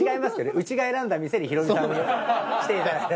うちが選んだ店にヒロミさん来ていただいたんで。